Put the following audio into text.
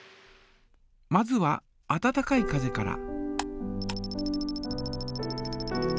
まずは温かい風から。